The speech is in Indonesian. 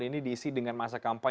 ini pilih kelengkapan